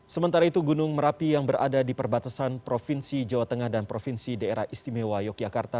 sementara itu gunung merapi yang berada di perbatasan provinsi jawa tengah dan provinsi daerah istimewa yogyakarta